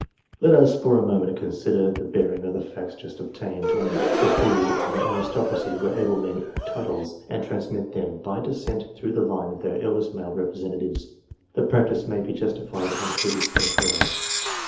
Let us for a moment consider the bearing of the facts just obtained, on the theory of an aristocracy where able men earn titles, and transmit them by descent through the line of their eldest male representatives. The practice may be justified on two distinct grounds.